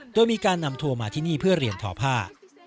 โดยมีการนำทัวร์มาที่นี่เพื่อเรียนทอผ้า